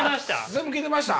全部聞いてました？